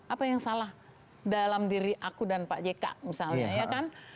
apa yang salah dalam diri aku dan pak jk misalnya ya kan